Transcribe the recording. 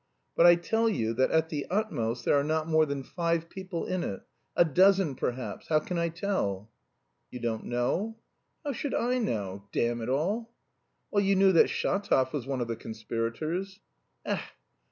"But I tell you that at the utmost there are not more than five people in it a dozen perhaps. How can I tell?" "You don't know?" "How should I know? damn it all." "Why, you knew that Shatov was one of the conspirators." "Ech!"